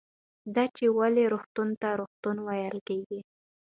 دا چې ولې روغتون ته روغتون ویل کېږي